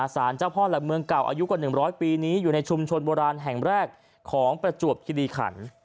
สารเจ้าพ่อหลักเมืองเก่าอายุกว่า๑๐๐ปีนี้อยู่ในชุมชนโบราณแห่งแรกของประจวบคิริขัน